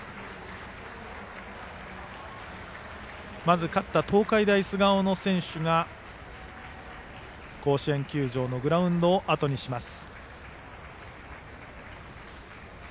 まず、勝った東海大菅生の選手が甲子園球場のグラウンドをあとにします。